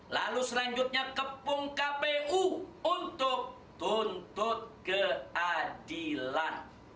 lalu selanjutnya kepung kpu untuk tuntut keadilan